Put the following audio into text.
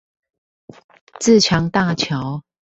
自強大橋